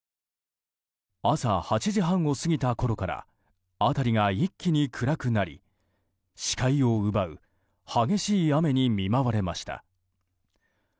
朝８時半を過ぎたころから辺りが一気に暗くなり視界を奪う激しい雨に見舞われました。